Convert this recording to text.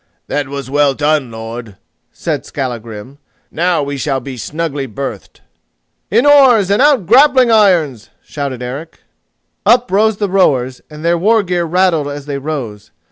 "That was well done, lord," said Skallagrim; "now we shall be snugly berthed." "In oars and out grappling irons," shouted Eric. Up rose the rowers, and their war gear rattled as they rose.